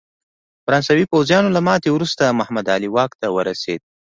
د فرانسوي پوځیانو له ماتې وروسته محمد علي واک ته ورسېد.